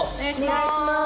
お願いします